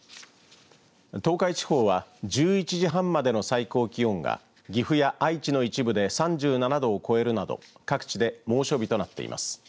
東海地方は１１時半までの最高気温が岐阜や愛知の一部で３７度を超えるなど各地で猛暑日となっています。